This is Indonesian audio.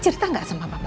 cerita gak sama papa